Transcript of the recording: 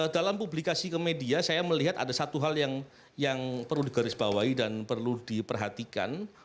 dalam publikasi ke media saya melihat ada satu hal yang perlu digarisbawahi dan perlu diperhatikan